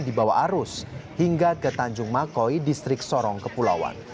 speedboat ini juga menemukan speedboat yang berada di bawah arus hingga ke tanjung makoi distrik sorong kepulauan